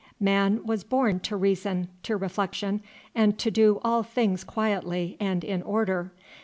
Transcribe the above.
Man was born to reason, to reflection, and to do all things quietly and in order.